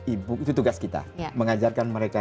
ibu itu tugas kita mengajarkan mereka